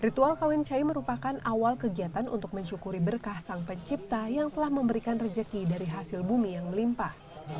ritual kawin cai merupakan awal kegiatan untuk mensyukuri berkah sang pencipta yang telah memberikan rejeki dari hasil bumi yang melimpah